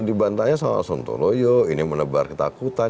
dibantahnya soal sontoloyo ini menebar ketakutan